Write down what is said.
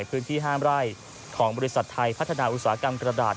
พื้นที่ห้ามไร่ของบริษัทไทยพัฒนาอุตสาหกรรมกระดาษ